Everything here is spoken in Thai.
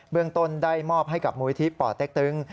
เรื่องต้นได้มอบให้กับมูลิธิป่อเต็กตึง